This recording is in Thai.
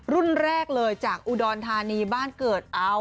แรกเลยจากอุดรธานีบ้านเกิดเอา